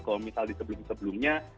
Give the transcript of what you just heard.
kalau misalnya di sebelum sebelumnya